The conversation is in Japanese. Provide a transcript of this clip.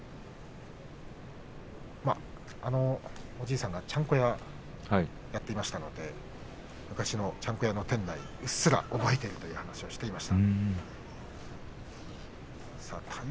おじいさんがちゃんこ屋をやっていましたので昔のちゃんこ屋の店内をうっすらと覚えているということです。